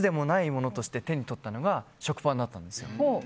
ものとして手に取ったのが食パンだったんですよ。